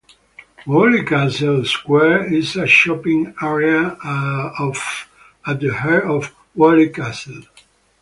Weoley Castle Square is a shopping area of at the heart of Weoley Castle.